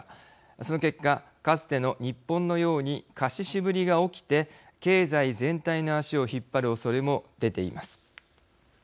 その結果かつての日本のように貸し渋りが起きて経済全体の足を引っ張るおそれも出ています。